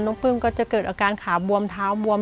ปลื้มก็จะเกิดอาการขาบวมเท้าบวม